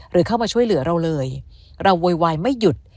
เข้ามาช่วยเหลือเราเลยเราโวยวายไม่หยุด